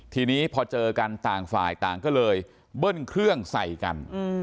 ทีนี้พอเจอกันต่างฝ่ายต่างก็เลยเบิ้ลเครื่องใส่กัน